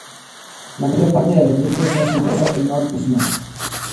La mayor parte de la industria se ha centrado en North Island.